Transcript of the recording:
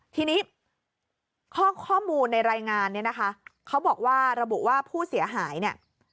ทีนี้ข้อมูลในรายงานเนี่ยนะคะเขาบอกว่าระบุว่าผู้เสียหายเนี่ย